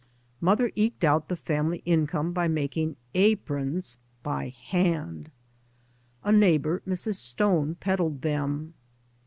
Mother eked out the family income by making aprons — 'by hand I A neighbour, Mrs. Stone, peddled them.